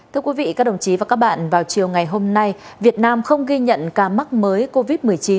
thưa quý vị các đồng chí và các bạn vào chiều ngày hôm nay việt nam không ghi nhận ca mắc mới covid một mươi chín